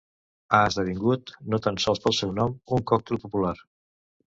Ha esdevingut, no tan sols pel seu nom, un còctel popular.